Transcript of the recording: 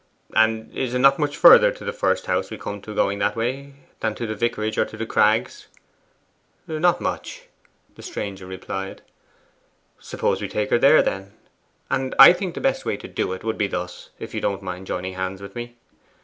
'And is it not much further to the first house we come to going that way, than to the vicarage or to The Crags?' 'Not much,' the stranger replied. 'Suppose we take her there, then. And I think the best way to do it would be thus, if you don't mind joining hands with me.